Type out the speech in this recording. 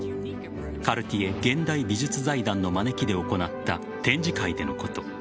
カルティエ現代美術財団の招きで行った展示会でのこと。